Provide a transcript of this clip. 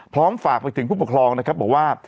ฝากไปถึงผู้ปกครองนะครับบอกว่า